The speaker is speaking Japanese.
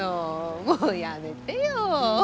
もうやめてよ。